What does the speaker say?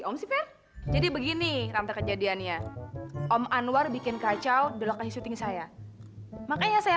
om siper jadi begini ranta kejadiannya om anwar bikin kacau dulu ke syuting saya makanya saya